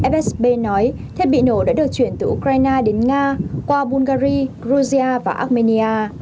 fsb nói thiết bị nổ đã được chuyển từ ukraine đến nga qua bulgari georgia và armenia